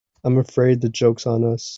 I'm afraid the joke's on us.